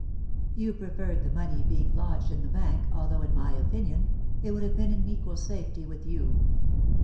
You preferred the money being lodged in the bank, although, in my opinion, it would have been in equal safety with you."